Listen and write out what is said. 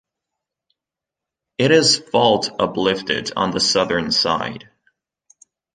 It is fault uplifted on the southern side.